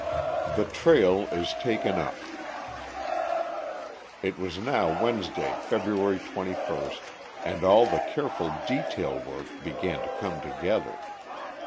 The Trail Is Taken Up It was now Wednesday, February 21, and all the careful detail work began to come together.